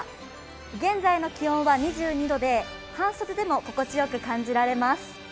現在の気温は２２度で、半袖でも心地よく感じられます。